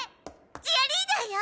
チアリーダーよ！